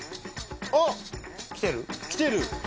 あ！来てる？来てる。